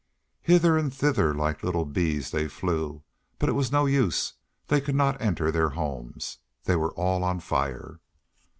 Hither and thither like little bees they flew, but it was no use; they could not enter their homes. They were all on fire.